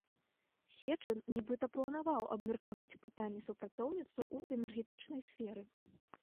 Сечын, нібыта, планаваў абмеркаваць пытанні супрацоўніцтва ў энергетычнай сферы.